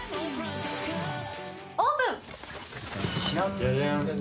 オープン！